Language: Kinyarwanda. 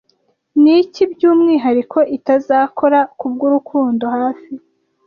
Niki, byumwihariko, itazakora kubwurukundo Hafi